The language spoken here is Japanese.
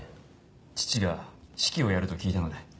父が指揮をやると聞いたので。